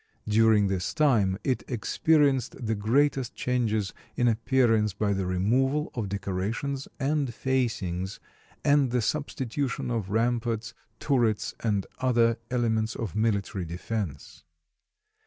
During this time it experienced the greatest changes in appearance by the removal of decorations and facings and the substitution of ramparts, turrets, and other elements of military defense.